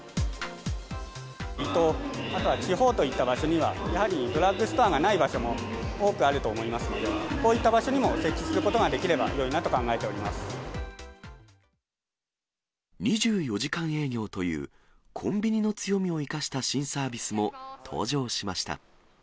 離島、あと地方といった場所には、やはりドラッグストアがない場所も多くあると思いますので、こういった場所にも設置することができれば、よいなと考えており２４時間営業という、コンビニの強みを生かした新サービスも登場しました。